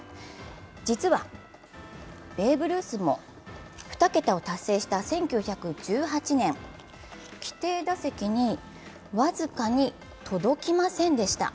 実は、ベーブ・ルースも２桁を達成した１９１８年、規定打席に僅かに届きませんでした。